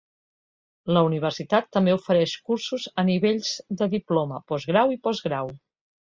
La universitat també ofereix cursos a nivells de Diploma, Postgrau i Postgrau.